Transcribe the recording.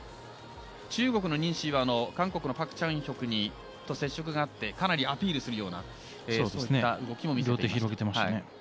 中国のニン・シイは韓国のパク・チャンヒョクと接触があってかなりアピールするような動きも見えました。